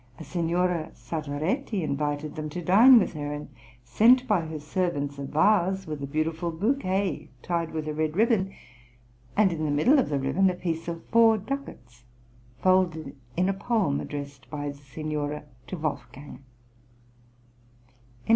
A Signora Sartoretti invited them to dine with her, and sent by her servants a vase with a beautiful bouquet tied with red ribbon, and in the middle of the ribbon a piece of four ducats folded in a poem addressed by the Signora to Wolfgang.